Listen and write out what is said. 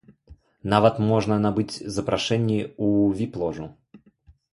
Нават можна набыць запрашэнні ў віп-ложу.